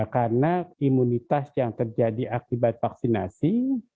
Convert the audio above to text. karena imunitas yang terjadi akibat vaksinasi